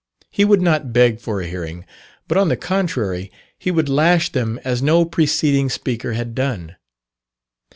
He would not beg for a hearing, but on the contrary, he would lash them as no preceding speaker had done.